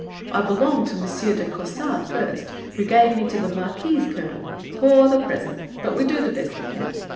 I belonged to Monsieur de Caussade first, Who gave me to the Marquis' colonel. Poor The present, but we do the best we can!